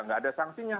tidak ada sanksinya